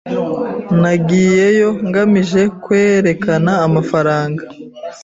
Nagiyeyo ngamije kwerekana amafaranga.